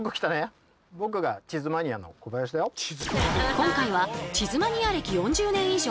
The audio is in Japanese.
今回は地図マニア歴４０年以上。